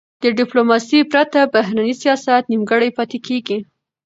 د ډیپلوماسی پرته، بهرنی سیاست نیمګړی پاته کېږي.